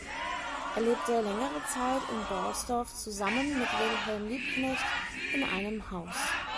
Er lebte längere Zeit in Borsdorf zusammen mit Wilhelm Liebknecht in einem Haus.